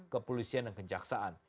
kepolisian dan kejaksaan